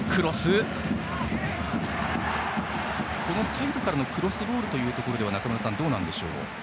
サイドからのクロスボールというのは中村さん、どうなんでしょう。